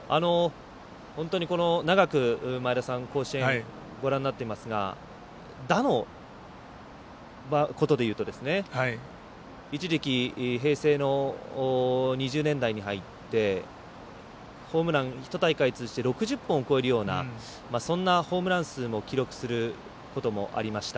長く前田さん、甲子園をご覧になっていますが打のことでいうと、一時期平成の２０年代に入ってホームラン、１大会通じて６０本を超えるようなそんなホームラン数も記録することもありました。